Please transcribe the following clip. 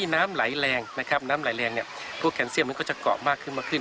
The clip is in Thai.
น้ำไหลแรงเนี่ยพวกแคนเซียมมันก็จะเกาะมากขึ้นมาขึ้น